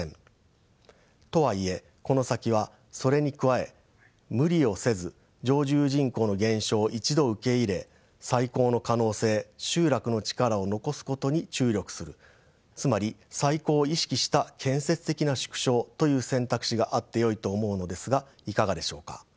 とはいえこの先はそれに加え無理をせず常住人口の減少を一度受け入れ再興の可能性集落の力を残すことに注力するつまり再興を意識した建設的な縮小という選択肢があってよいと思うのですがいかがでしょうか。